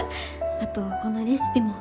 あとこのレシピも。